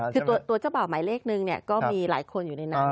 คือตัวเจ้าบ่าวหมายเลขนึงเนี่ยก็มีหลายคนอยู่ในนั้น